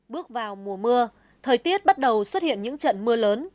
bước vào mùa mưa thời tiết bắt đầu xuất hiện những trận mưa lớn